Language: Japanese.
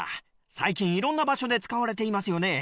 最近いろんな場所で使われていますよね。